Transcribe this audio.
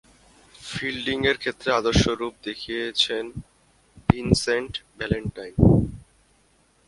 ফিল্ডিংয়ের ক্ষেত্রে আদর্শ রূপ দেখিয়েছেন ভিনসেন্ট ভ্যালেন্টাইন।